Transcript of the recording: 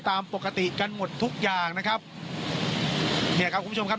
ตามปกติกันหมดทุกอย่างนะครับเนี่ยครับคุณผู้ชมครับ